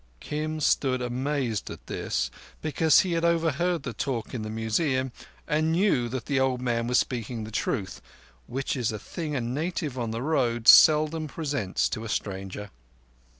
Kim stood amazed at this, because he had overheard the talk in the Museum, and knew that the old man was speaking the truth, which is a thing a native on the road seldom presents to a stranger.